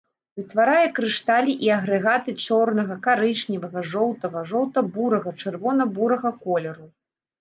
Утварае крышталі і агрэгаты чорнага, карычневага, жоўтага, жоўта-бурага, чырвона-бурага колеру.